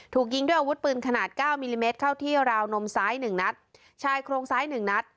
ถูกยิงด้วยอาวุธปืนขนาดเก้ามิลลิเมตรเข้าที่ราวนมซ้ายหนึ่งนัดชายโครงซ้ายหนึ่งนัด